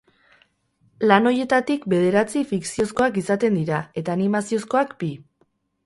Lan horietatik bederatzi fikziozkoak izaten dira, eta animaziozkoak, bi.